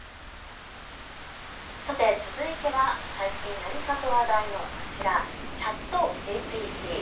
さて続いては最近何かと話題のこちら、ＣｈａｔＧＰＴ。